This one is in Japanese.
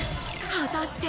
果たして。